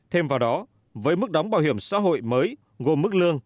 thêm vào đó với mức đóng bảo hiểm xã hội mới gồm mức lương